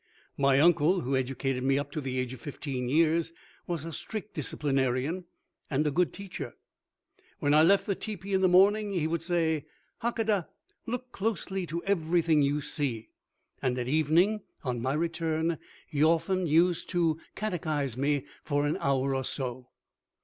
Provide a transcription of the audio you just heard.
My uncle, who educated me up to the age of fifteen years, was a strict disciplinarian and a good teacher. When I left the teepee in the morning, he would say: "Hakadah, look closely to everything you see"; and at evening, on my return, he used often to catechize me for an hour or so.